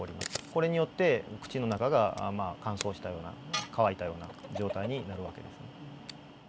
これによって口の中が乾燥したような乾いたような状態になる訳です。